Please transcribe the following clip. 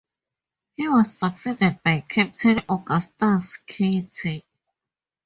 He was succeeded by Captain Augustus Kilty.